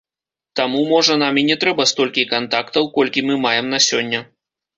Таму, можа, нам і не трэба столькі кантактаў, колькі мы маем на сёння.